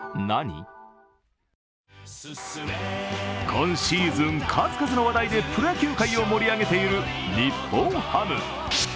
今シーズン数々の話題でプロ野球界を盛り上げている日本ハム。